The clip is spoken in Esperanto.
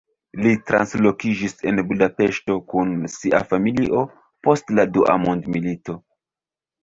Li translokiĝis en Budapeŝton kun sia familio post la dua mondmilito.